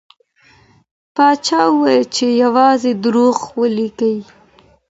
پاچا وویل چي یوازې دروغ ولیکئ.